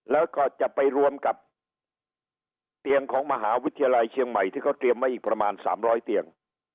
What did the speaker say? แล้วก็จะไปรวมกับเตียงของมหาวิทยาลัยเชียงใหม่ที่เขาเตรียมไว้อีกประมาณ๓๐๐เตียง